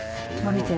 「見て。